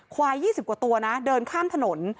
ควาย๒๐กว่าตัวนะเดินข้ามถนน